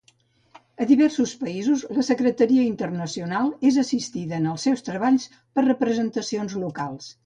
A diversos països, la Secretaria Internacional és assistida en els seus treballs per representacions locals.